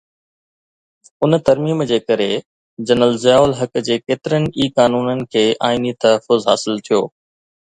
ان ترميم جي ڪري جنرل ضياءُ الحق جي ڪيترن ئي قانونن کي آئيني تحفظ حاصل ٿيو.